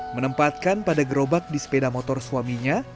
menempatkan pada gerobak di sepeda motor suaminya